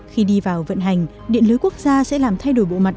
khi đi vào vận hành điện lưới quốc gia sẽ làm thay đổi bộ mặt